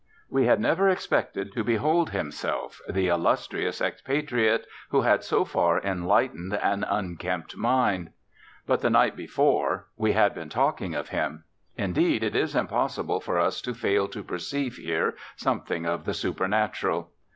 We had never expected to behold himself, the illustrious expatriate who had so far enlightened an unkempt mind. But the night before we had been talking of him. Indeed, it is impossible for us to fail to perceive here something of the supernatural.